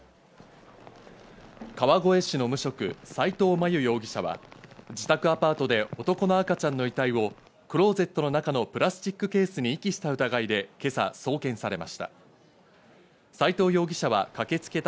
川越市の無職、斎藤真悠容疑者は自宅アパートで男の赤ちゃんの遺体をクロゼットの中のプラスチックケースに遺棄した疑いで今朝、送検されました。